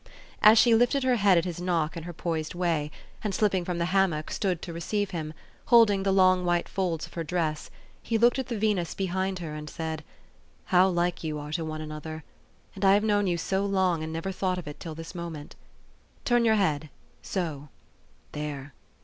As she lifted her head at his knock in her poised way, and, slipping from the hammock, stood to receive him, holding the long white folds of her dress, he looked at the Venus behind her, and said, " How like ypu are to one another ! And I have known you so long, and never thought of it till this moment. Turn your head so. There.